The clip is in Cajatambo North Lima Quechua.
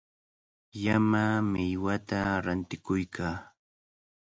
Llama millwata rantikuykaa.